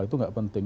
itu tidak penting